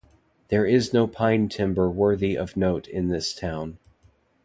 There is no Pine timber worthy of note in this town.